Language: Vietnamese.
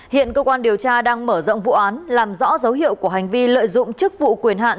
hiện cơ quan điều tra đang mở rộng vụ án làm rõ dấu hiệu của hành vi lợi dụng chức vụ quyền hạn